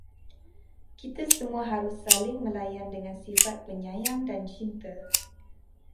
Kita semua harus saling melayan dengan sifat penyayang dan cinta